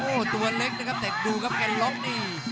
โอ้โหตัวเล็กนะครับแต่ดูครับแกนล็อกนี่